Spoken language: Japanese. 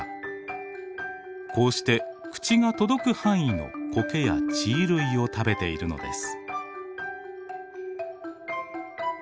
こうして口が届く範囲のコケや地衣類を食べているのです。